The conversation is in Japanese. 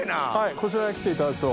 こちらへ来ていただくと。